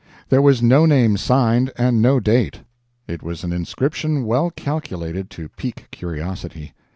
There was no name signed, and no date. It was an inscription well calculated to pique curiosity.